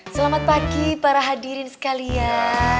selamat pagi para hadirin sekalian